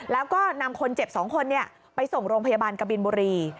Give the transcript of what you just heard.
แล้วก็นำคนเจ็บ๒คนไปส่งโรงพยาบาลกบินบุรี